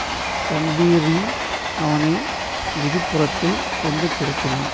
Dan Breen அவனை விதிப்புறத்தில் கொண்டு கிடத்தினான்.